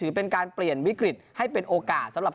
เจนอีกครั้งหนึ่งครับ